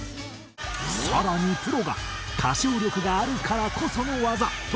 更にプロが歌唱力があるからこその技とうなる